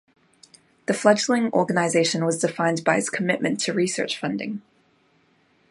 The fledgling organization was defined by its commitment to research funding.